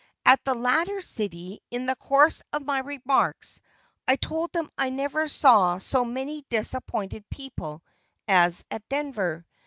At the latter city, in the course of my remarks, I told them I never saw so many disappointed people as at Denver.